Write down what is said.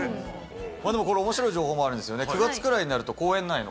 でもこれ面白い情報もあるんですよね。